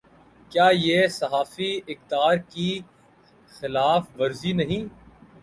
کیا یہ صحافی اقدار کی خلاف ورزی نہیں۔